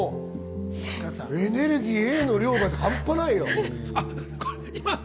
エネルギーＡの量が半端ないよ。